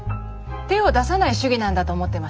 手を出さない主義なんだと思ってました。